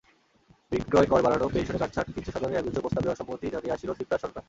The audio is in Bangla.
বিক্রয়কর বাড়ানো, পেনশনে কাটছাঁট কৃচ্ছ্রসাধনের একগুচ্ছ প্রস্তাবে অসম্মতি জানিয়ে আসছিল সিপ্রাস সরকার।